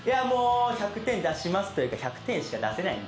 １００点出しますというか１００点しか出せないんで。